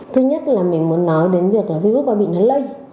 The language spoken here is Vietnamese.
thứ nhất là mình muốn nói đến việc virus quay bị nó lây